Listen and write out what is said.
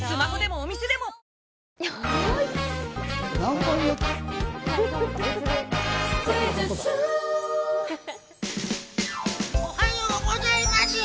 おはようございます。